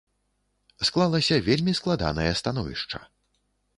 Склалася вельмі складанае становішча.